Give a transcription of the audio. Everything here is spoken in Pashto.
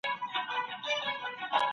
د وخت څپه تېرېږي ورو.